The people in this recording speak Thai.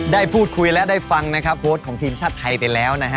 ได้พูดคุยและได้ฟังนะครับโค้ดของทีมชาติไทยไปแล้วนะฮะ